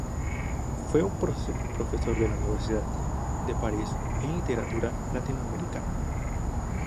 Fue profesor de la Universidad de París en literatura latinoamericana.